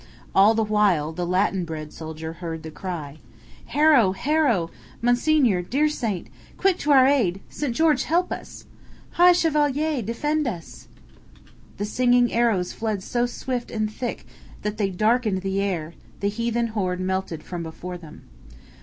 All the while the Latin bred soldier heard the cry: "Harow! Harow! Monseigneur, dear Saint, quick to our aid! St. George help us!" "High Chevalier, defend us!" The singing arrows fled so swift and thick that they darkened the air, the heathen horde melted from before them.